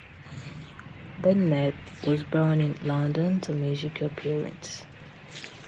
Bennett was born in London to musical parents.